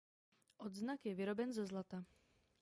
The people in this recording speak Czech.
Odznak je vyroben ze zlata.